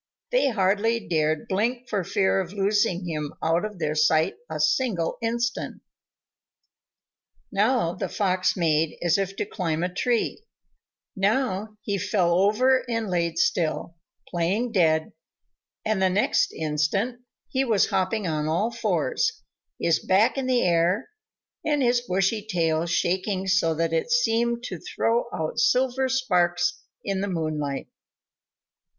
They hardly dared blink for fear of losing him out of their sight a single instant. Now the Fox made as if to climb a tree, now he fell over and lay still, playing dead, and the next instant he was hopping on all fours, his back in the air, and his bushy tail shaking so that it seemed to throw out silver sparks in the moonlight.